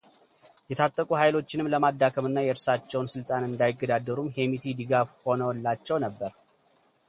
የታጠቁ ኃይሎችንም ለማዳከምና የእርሳቸውን ስልጣን እንዳይገዳደሩም ሄምቲ ድጋፍ ሆነውላቸው ነበር።